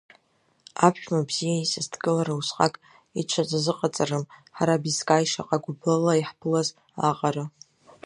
Аԥшәма бзиа исасдкылара усҟак иҽизазыҟаҵарым ҳара Бискаи шаҟа гәыблыла иаҳԥылаз аҟара.